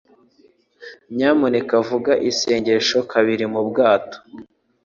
Nyamuneka vuga isengesho kubari mu bwato.